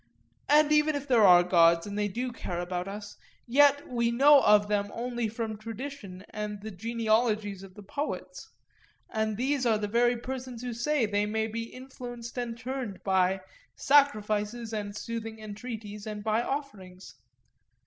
And even if there are gods, and they do care about us, yet we know of them only from tradition and the genealogies of the poets; and these are the very persons who say that they may be influenced and turned by 'sacrifices and soothing entreaties and by offerings.